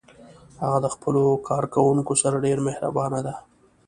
هغه د خپلو کارکوونکو سره ډیر مهربان ده